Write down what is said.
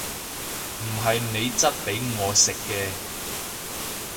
唔係你質俾我食嘅！